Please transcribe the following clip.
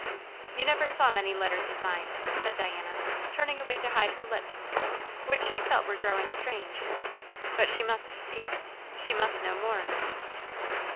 "You never saw many letters of mine," said Diana, turning away to hide her lips, which she felt were growing strange. But she must speak; she must know more.